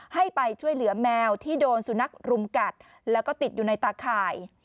ให้ไปช่วยเหลือแมวที่โดนสุนัขรุมกัดแล้วก็ติดอยู่ในตาข่าย